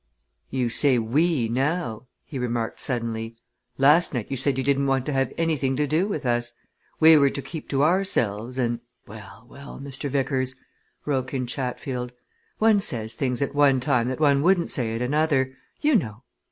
"You say 'we' now," he remarked suddenly. "Last night you said you didn't want to have anything to do with us. We were to keep to ourselves, and " "Well, well, Mr. Vickers," broke in Chatfield. "One says things at one time that one wouldn't say at another, you know.